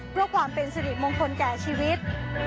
เพื่อความเป็นสิริมงคลแก่ชีวิต